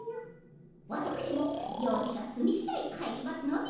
わたくしもようじがすみしだい帰りますので。